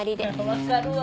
わかるわ。